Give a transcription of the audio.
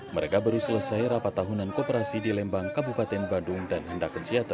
mereka baru selesai rapat tahunan kooperasi di lembang kabupaten bandung dan hendakensiate